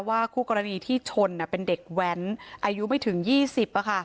คู่กรณีที่ชนเป็นเด็กแว้นอายุไม่ถึง๒๐